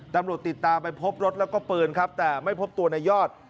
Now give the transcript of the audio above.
ติดตามไปพบรถแล้วก็ปืนครับแต่ไม่พบตัวในยอด